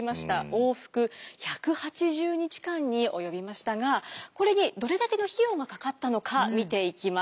往復１８０日間に及びましたがこれにどれだけの費用がかかったのか見ていきます。